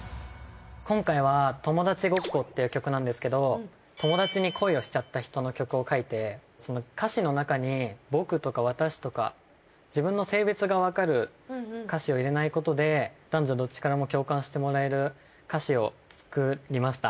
今回は『友達ごっこ』っていう曲なんですけど友達に恋をしちゃった人の曲を書いて歌詞の中に僕とか私とか自分の性別がわかる歌詞を入れないことで男女どっちからも共感してもらえる歌詞を作りました。